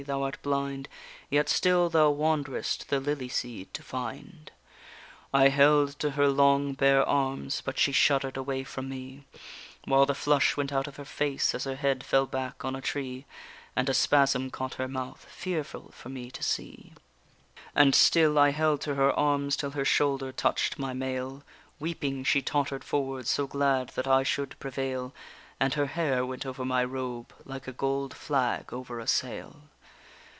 thou art blind, Yet still thou wanderest the lily seed to find._ I held to her long bare arms, but she shudder'd away from me, While the flush went out of her face as her head fell back on a tree, And a spasm caught her mouth, fearful for me to see; And still I held to her arms till her shoulder touched my mail, Weeping she totter'd forward, so glad that I should prevail, And her hair went over my robe, like a gold flag over a sail.